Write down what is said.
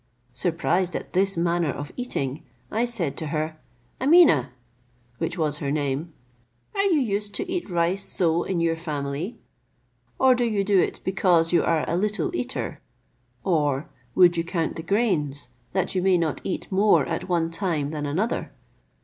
Surprised at this manner of eating, I said to her, "Ameeneh," (which was her name,) "are you used to eat rice so in your family, or do you do it because you are a little eater, or would you count the grains, that you may not eat more at one time than another?